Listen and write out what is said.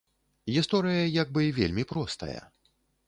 Гісторыя як бы вельмі простая.